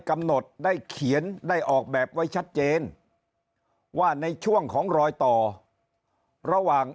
กำหนดได้เขียนได้ออกแบบไว้ชัดเจนว่าในช่วงของรอยต่อระหว่าง